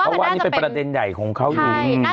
เพราะว่าอันนี้เป็นประเด็นใหญ่ของเขาอยู่